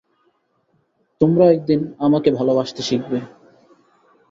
তোমরা একদিন আমাকে ভালবাসতে শিখবে।